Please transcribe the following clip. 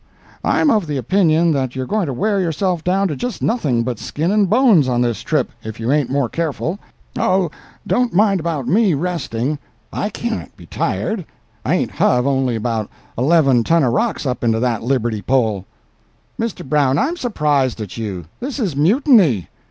I'm of the opinion that you're going to wear yourself down to just nothing but skin and bones on this trip, if you ain't more careful. Oh, don't mind about me resting—I can't be tired—I ain't hove only about eleven ton of rocks up into that liberty pole." "Mr. Brown, I am surprised at you. This is mutiny."